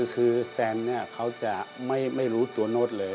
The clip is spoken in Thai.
คือแซนเนี่ยเขาจะไม่รู้ตัวโน้ตเลย